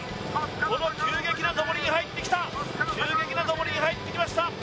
この急激な上りに入ってきた急激な上りに入ってきました